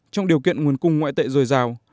trong điều kiện nguồn cung ngoại tệ dồi dào